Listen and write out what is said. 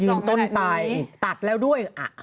ยืนต้นตายตัดแล้วด้วย